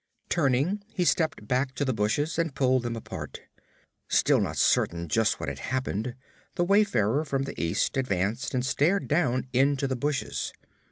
Turning, he stepped back to the bushes and pulled them apart. Still not certain just what had happened, the wayfarer from the east advanced and stared down into the bushes.